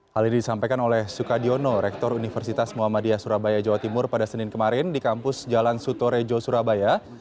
hal ini disampaikan oleh sukadiono rektor universitas muhammadiyah surabaya jawa timur pada senin kemarin di kampus jalan sutorejo surabaya